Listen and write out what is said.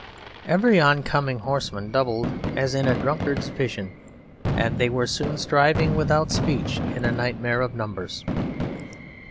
Every oncoming horseman doubled as in a drunkard's vision; and they were soon striving without speech in a nightmare of numbers.